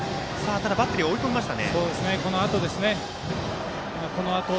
バッテリーは追い込みました。